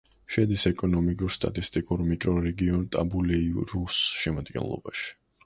შედის ეკონომიკურ-სტატისტიკურ მიკრორეგიონ ტაბულეირუს შემადგენლობაში.